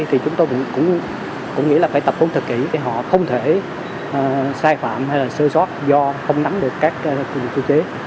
thì chúng ta cũng nghĩ là phải tập hôn thật kỹ để họ không thể sai phạm hay là sơ sót do không nắm được các quy chế